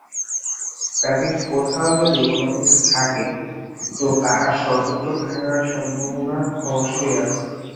কাজেই কোথাও যদি কোন কিছু থাকে তো তাহার সর্বত্র থাকার সম্ভাবনা অবশ্যই আছে।